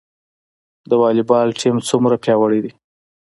د والیبال ټیم څومره پیاوړی دی؟